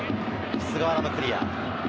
菅原のクリア。